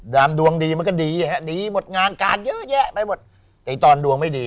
ดวงดีมันก็ดีฮะดีหมดงานการเยอะแยะไปหมดไอ้ตอนดวงไม่ดี